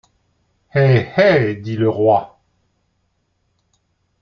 Hé! hé ! dit le roi.